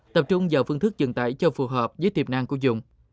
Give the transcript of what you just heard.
tập trung vào phương thức truyền tải cho phù hợp với tiềm năng của dùng